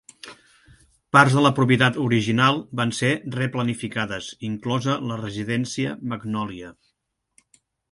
Parts de la propietat original van ser replanificades, inclosa la residència Magnolia.